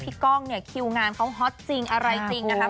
กล้องเนี่ยคิวงานเขาฮอตจริงอะไรจริงนะครับ